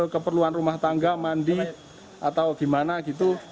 keperluan rumah tangga mandi atau gimana gitu